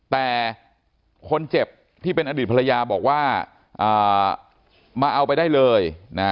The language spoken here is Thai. แต่คนเจ็บที่เป็นอดีตภรรยาบอกว่ามาเอาไปได้เลยนะ